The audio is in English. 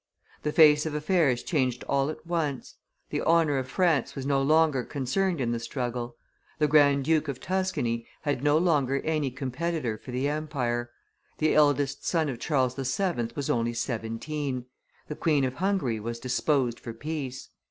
The face of affairs changed all at once; the honor of France was no longer concerned in the struggle; the Grand duke of Tuscany had no longer any competitor for the empire; the eldest son of Charles VII. was only seventeen; the Queen of Hungary was disposed for peace.